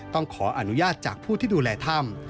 ต้องขออนุญาตจากผู้ที่ดูแลถ้ำ